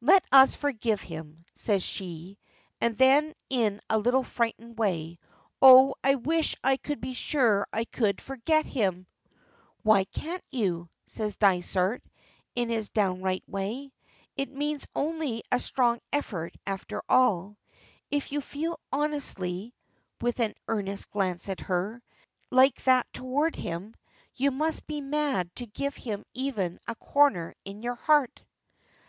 "Let us forget him," she says, and then in a little frightened way, "Oh, I wish I could be sure I could forget him!" "Why can't you?" says Dysart, in his downright way. "It means only a strong effort after all. If you feel honestly," with an earnest glance at her, "like that toward him, you must be mad to give him even a corner in your heart."